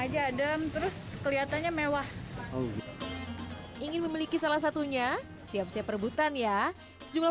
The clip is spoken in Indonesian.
aja adem terus kelihatannya mewah ingin memiliki salah satunya siap siap rebutan ya sejumlah